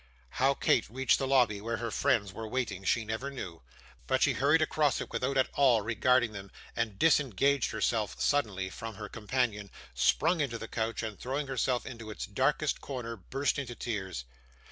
How Kate reached the lobby where her friends were waiting she never knew, but she hurried across it without at all regarding them, and disengaged herself suddenly from her companion, sprang into the coach, and throwing herself into its darkest corner burst into tears.